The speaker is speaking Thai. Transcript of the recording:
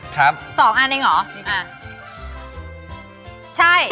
ครับ๒อันเองเหรออ่ะ